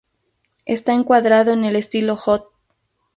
Está encuadrado en el estilo "hot".